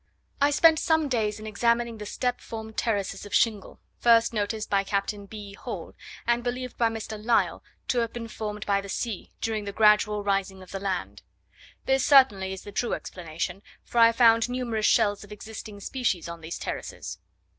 I spent some days in examining the step formed terraces of shingle, first noticed by Captain B. Hall, and believed by Mr. Lyell to have been formed by the sea, during the gradual rising of the land. This certainly is the true explanation, for I found numerous shells of existing species on these terraces.